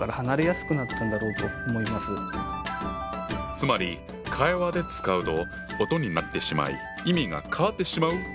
つまり会話で使うと音になってしまい意味が変わってしまうってことか。